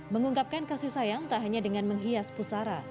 mengungkapkan kasih sayang tak hanya dengan menghias pusara